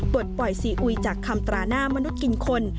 ปล่อยซีอุยจากคำตราหน้ามนุษย์กินคน